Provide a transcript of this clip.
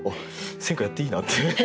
選歌やっていいなって。